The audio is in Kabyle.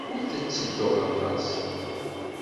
Ur tettedduḍ aṭas.